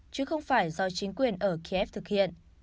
chứ không phải do chính quyền ở kiev thực hiện